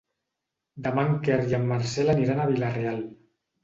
Demà en Quer i en Marcel aniran a Vila-real.